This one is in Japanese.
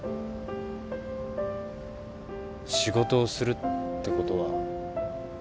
仕事をするってことは